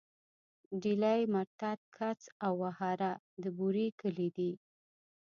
ډيلی، مرتت، کڅ او وهاره د بوري کلي دي.